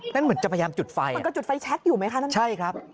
นั่นเหมือนจะพยายามจุดไฟใช่ครับ